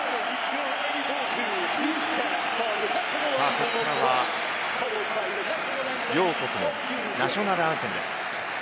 ここからは両国のナショナルアンセムです。